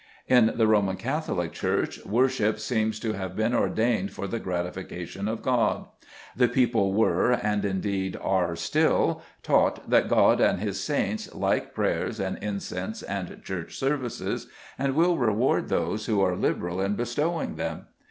In the Roman Catholic Church worship seems to have been ordained for the gratification of God. The people were, and indeed are still, taught that God and his saints like prayers and incense and church services, and will reward those who are liberal in bestowing them.